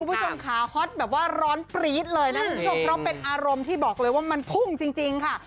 คุณผู้ชมค้าฮอตแบบว่าร้อนปรี๊ดเลยนะเป็นอารมณ์ที่บอกเลยมันพุ่งจริงค่ะ